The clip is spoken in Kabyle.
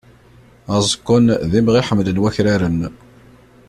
Aẓekkun d imɣi i ḥemmlen wakraren.